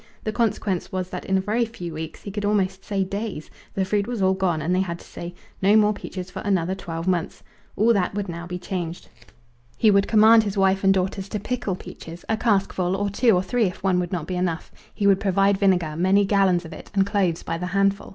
The consequence was that in a very few weeks he could almost say days the fruit was all gone, and they had to say, "No more peaches for another twelve months!" All that would now be changed. He would command his wife and daughters to pickle peaches a cask full, or two or three if one would not be enough. He would provide vinegar many gallons of it, and cloves by the handful.